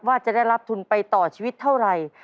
ว่าจะได้รับทุนไปต่อชีวิตเท่าไหร่